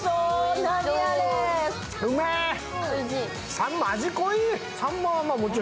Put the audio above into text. さんま、味濃い。